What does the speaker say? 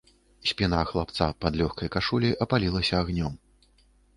Спіна хлапца пад лёгкай кашуляй апалілася агнём.